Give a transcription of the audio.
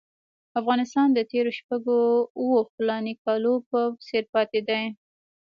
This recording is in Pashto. افغانستان د تېرو شپږو اوو فلاني کالو په څېر پاتې دی.